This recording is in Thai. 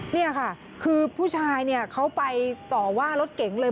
นี่ค่ะคือผู้ชายเนี่ยเขาไปต่อว่ารถเก๋งเลย